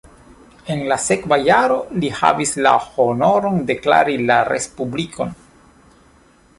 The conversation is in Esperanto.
En la sekva jaro li havis la honoron deklari la respublikon.